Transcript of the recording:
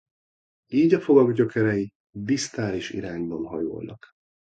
Így a fogak gyökerei disztális irányban hajolnak.